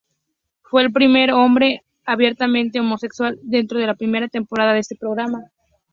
Fue el primer hombre abiertamente homosexual dentro de la primera temporada de este programa.